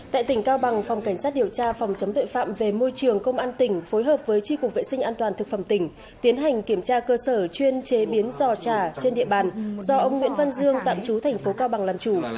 tại tỉnh cao bằng phòng cảnh sát điều tra phòng chống tội phạm về môi trường công an tỉnh phối hợp với tri cục vệ sinh an toàn thực phẩm tỉnh tiến hành kiểm tra cơ sở chuyên chế biến giò trà trên địa bàn do ông nguyễn văn dương tạm trú thành phố cao bằng làm chủ